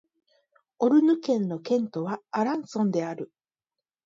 オルヌ県の県都はアランソンである